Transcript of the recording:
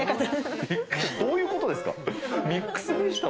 どういうことですか？